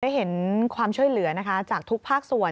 เห็นความช่วยเหลือนะคะจากทุกภาคส่วน